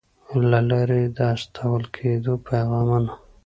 له لارې د استول کېدونکو پیغامونو